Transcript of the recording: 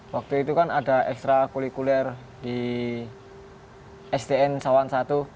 waktu itu kan ada ekstra kulikuler di sdn sawan satu